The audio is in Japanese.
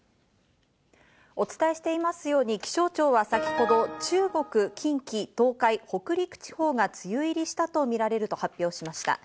お伝えしていますように、気象庁は先ほど中国、近畿、東海、北陸地方が梅雨入りしたとみられると発表しました。